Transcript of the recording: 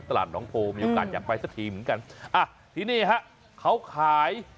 ตลาดหนองโพมีโอกาสอยากไปสักทีเหมือนกันอ่ะที่นี่ฮะเขาขาย